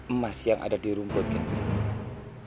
emas yang ada di rumput ki ageng